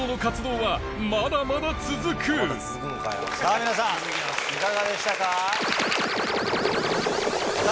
さぁ皆さんいかがでしたか？